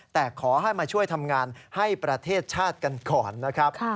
แต่ขอให้มาช่วยทำงานให้ประเทศชาติกันก่อนนะครับ